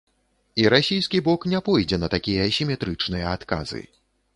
І расійскі бок не пойдзе на такія сіметрычныя адказы.